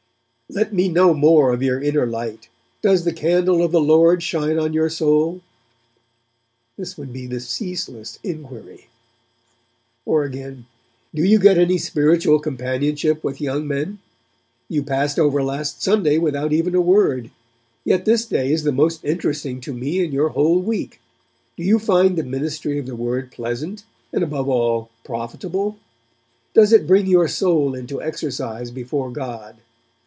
'Let me know more of your inner light. Does the candle of the Lord shine on your soul?' This would be the ceaseless inquiry. Or, again, 'Do you get any spiritual companionship with young men? You passed over last Sunday without even a word, yet this day is the most interesting to me in your whole week. Do you find the ministry of the Word pleasant, and, above all, profitable? Does it bring your soul into exercise before God?